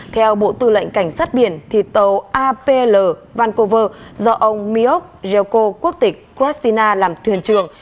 theo bộ tư lệnh cảnh sát biển tàu apl vancouver do ông miok jelko quốc tịch krasina làm thuyền trường